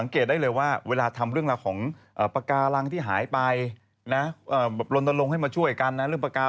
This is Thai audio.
ผัดไทยหน้าสวยก็พึ่งทันมานะครับ